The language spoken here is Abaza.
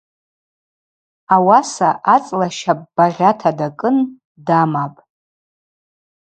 Ауаса ацӏла щапӏ багъьата дакӏын дамапӏ.